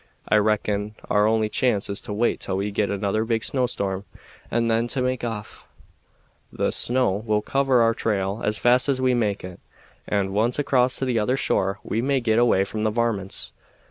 I reckon our only chance is to wait till we git another big snowstorm and then to make off. The snow will cover our trail as fast as we make it, and, once across to the other shore, we may git away from the varmints.